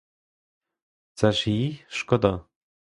Це ж їй шкода?